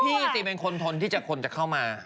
จริงเป็นคนทนที่คนจะเข้ามา